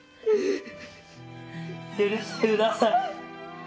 許してください